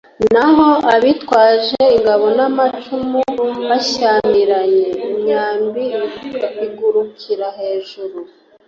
naho abitwaje ingabo n'amacumu bashyamiranye imyambi igurukira hejuru